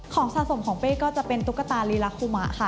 สะสมของเป้ก็จะเป็นตุ๊กตาลีลาคุมะค่ะ